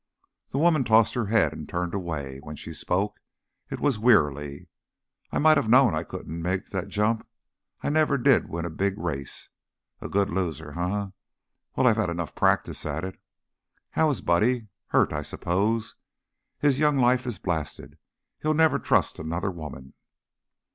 The woman tossed her head and turned away; when she spoke, it was wearily: "I might have known I couldn't make the jump. I never did win a big race. A good loser, eh? Well, I've had enough practice at it. How is Buddy? Hurt, I suppose. His young life is blasted; he'll never trust another woman."